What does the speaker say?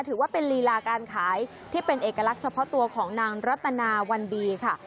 ถือว่าเป็นลีลาการขายที่เป็นเอกลักษณ์เฉพาะตัวของนางรัตนาวันดีค่ะ